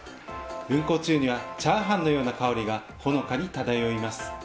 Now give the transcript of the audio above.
運行中にはチャーハンのような香りがほのかに漂います。